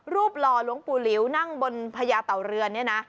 หล่อหลวงปู่หลิวนั่งบนพญาเต่าเรือนเนี่ยนะ